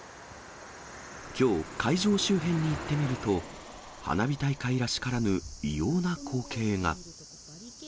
きょう、会場周辺に行ってみると、花火大会らしからぬ異様な光景が。